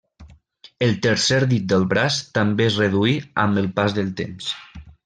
El tercer dit del braç també es reduí amb el pas del temps.